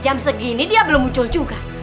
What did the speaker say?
jam segini dia belum muncul juga